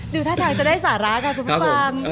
ดูท่าทางจะได้สาระค่ะคุณผู้ฟัง